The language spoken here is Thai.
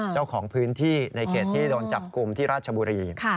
เจ้าของพื้นที่ในเขตที่โดนจับกลุ่มที่ราชบุรี